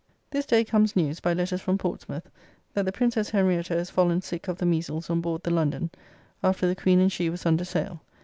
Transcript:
This day comes news, by letters from Portsmouth, that the Princess Henrietta is fallen sick of the meazles on board the London, after the Queen and she was under sail.